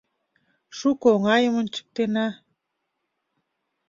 Шуко оҥайым ончыктена...